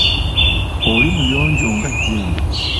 Oli muyonjo nga jjenje.